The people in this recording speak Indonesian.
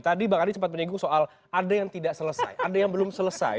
tadi bang adi sempat menyinggung soal ada yang tidak selesai ada yang belum selesai